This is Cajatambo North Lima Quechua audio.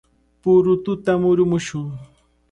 ¡Purututa murumushun!